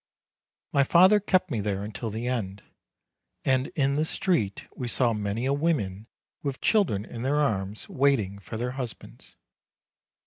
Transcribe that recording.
My father kept me there until the end, and in the street we saw many women with children in their arms, waiting for their husbands.